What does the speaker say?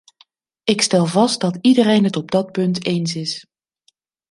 Ik stel vast dat iedereen het op dat punt eens is.